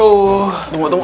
anak bagi ibu